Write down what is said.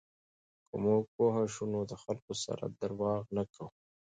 که موږ پوه شو، نو د خلکو سره درواغ نه کوو.